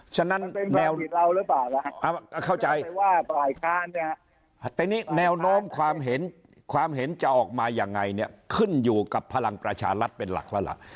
ฉะนั้นแนวเราหรือเปล่าล่ะก็เข้าใจว่าฝ่ายค้านเนี่ยแต่นี่แนวโน้มความเห็นความเห็นจะออกมายังไงเนี่ยขึ้นอยู่กับพลังประชารัฐเป็นหลักแล้วล่ะ